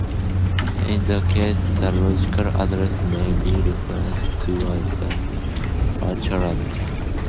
In this case, the logical address may be referred to as a virtual address.